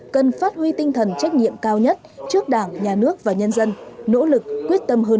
cần phát huy tinh thần trách nhiệm cao nhất trước đảng nhà nước và nhân dân nỗ lực quyết tâm hơn